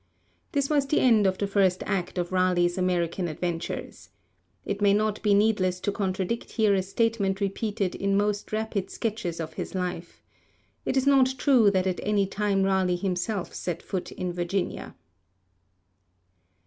This was the end of the first act of Raleigh's American adventures. It may not be needless to contradict here a statement repeated in most rapid sketches of his life. It is not true that at any time Raleigh himself set foot in Virginia.